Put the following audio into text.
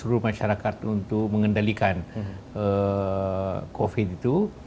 dan seluruh masyarakat untuk mengendalikan covid sembilan belas itu